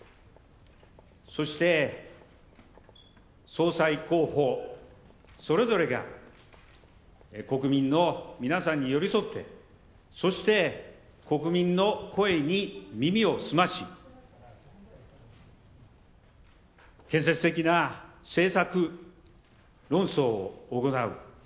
そして、総裁候補それぞれが国民の皆さんに寄り添ってそして、国民の声に耳を澄まし建設的な政策論争を行う。